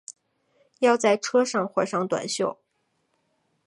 要在车上换上短袖